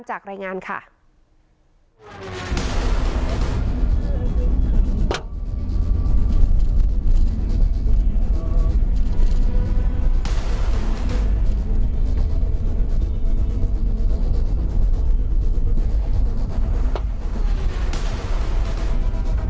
เช่นเดียวกันนะคะติดตามจากรายงานค่ะ